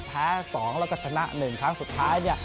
แพ้สองแล้วก็ชนะหนึ่งครั้งสุดท้ายเนี่ย